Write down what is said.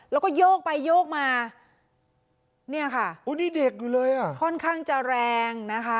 แล้วก็โยกไปโยกมาค่อนข้างจะแรง